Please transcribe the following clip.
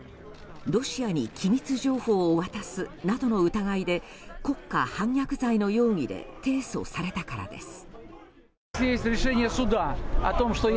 ロシアに機密情報を渡すなどの疑いで国家反逆罪の容疑で提訴されたからです。